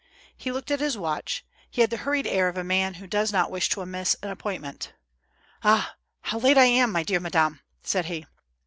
He looked at his watch, he had the hurried air of a man who does not wish to miss an appointment. " Ah ! how late I am, my dear madame !" said he.